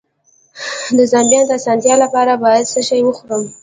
د زایمان د اسانتیا لپاره باید څه شی وخورم؟